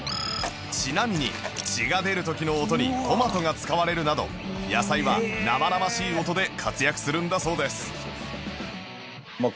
ちなみに血が出る時の音にトマトが使われるなど野菜は生々しい音で活躍するんだそうです